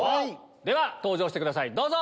では登場してくださいどうぞ！